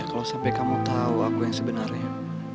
kalau sampai kamu tahu aku yang sebenarnya